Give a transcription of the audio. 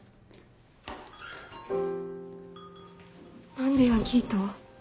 何でヤンキーと？